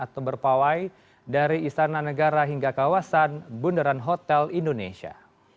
terpawai dari istana negara hingga kawasan bundaran hotel indonesia